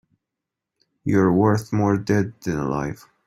You're worth more dead than alive.